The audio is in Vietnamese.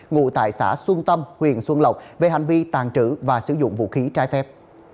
ngụ tại xã xuân tâm huyện xuân lộc về hành vi tàn trữ và sử dụng vũ khí trái phép